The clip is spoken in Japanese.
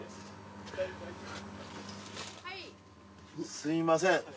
すみません。